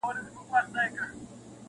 سمندر، سیندونه ډک سول له ماهیانو -